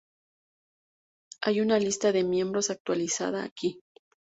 Hay una lista de miembros actualizada aquí.